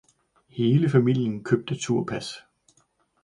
Hele familien købte turpas.